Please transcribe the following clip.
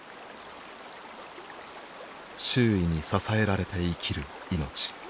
周囲に支えられて生きるいのち連環